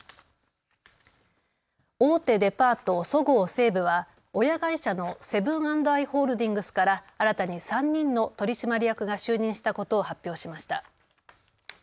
大手デパート、そごう・西武は親会社のセブン＆アイ・ホールディングスから新たに３人の取締役が就任したことを発表しました。